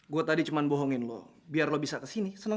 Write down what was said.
gue tuga mau datang lima provisiong